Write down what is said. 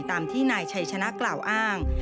ตามที่นายชัยชนะกล่าวอ้าง